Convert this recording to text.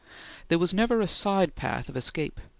There was never a side path of escape.